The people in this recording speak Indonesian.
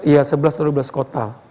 ya sebelas dua belas kota